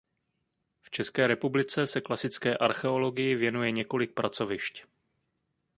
V České republice se klasické archeologii věnuje několik pracovišť.